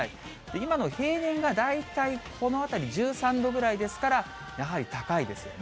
今の平年が大体このあたり、１３度ぐらいですから、やはり高いですよね。